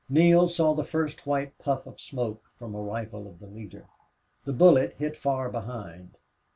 Neale saw the first white puff of smoke from a rifle of the leader. The bullet hit far behind.